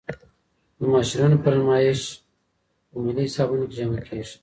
د ماشینونو فرسایش په ملي حسابونو کي جمع کیږي.